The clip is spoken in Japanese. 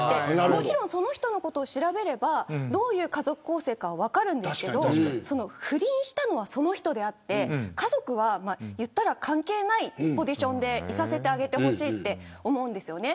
もちろん、その人のことを調べればどういう家族構成かは分かるんですけど不倫したのは、その人であって家族は関係ないポジションでいさせてあげてほしいって思うんですよね。